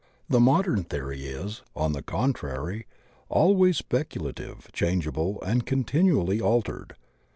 The modem theory is, on the contrary, al ways speculative, changeable, and continually altered.